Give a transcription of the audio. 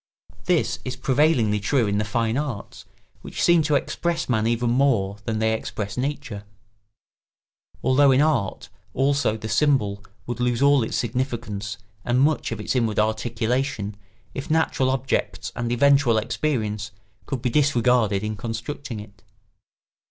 This is prevailingly true in the fine arts which seem to express man even more than they express nature; although in art also the symbol would lose all its significance and much of its inward articulation if natural objects and eventual experience could be disregarded in constructing it.